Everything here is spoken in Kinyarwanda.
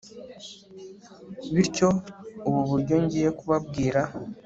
bityo ubu buryo ngiye kubabwira